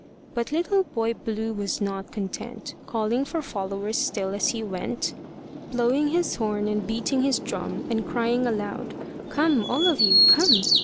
But Little Boy Blue was not content, Calling for followers still as he went, Blowing his horn, and beating his drum, And crying aloud, "Come all of you, come!"